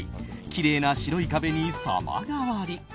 きれいな白い壁に様変わり。